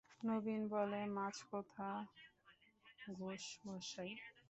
নবীন বলে, মাছ কোথা ঘোষ মশাই?